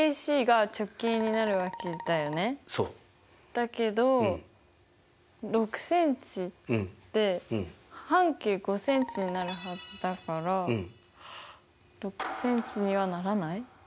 だけど６ｃｍで半径５ｃｍになるはずだから６ｃｍにはならない？